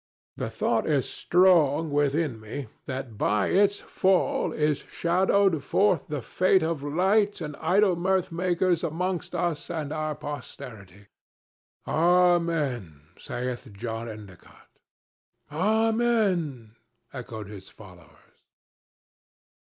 The thought is strong within me that by its fall is shadowed forth the fate of light and idle mirthmakers amongst us and our posterity. Amen, saith John Endicott!" "Amen!" echoed his followers.